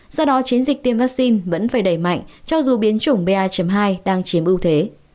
do đó chiến dịch tiêm vaccine vẫn phải đẩy mạnh cho dù biến chủng ba hai đang chiếm ưu thế